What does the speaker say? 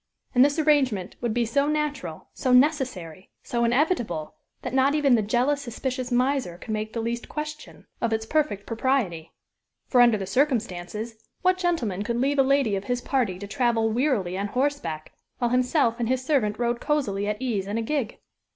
And this arrangement would be so natural, so necessary, so inevitable, that not even the jealous, suspicious miser could make the least question of its perfect propriety. For, under the circumstances, what gentleman could leave a lady of his party to travel wearily on horseback, while himself and his servant rode cosily at ease in a gig?